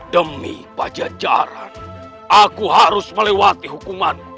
demi pajajaran aku harus melewati hukuman